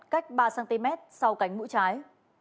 cách ba cm sau cánh mũi trái